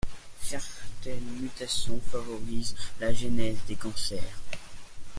Certaines mutations favorisent la genèse des cancers.